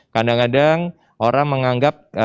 kadang kadang orang menganggap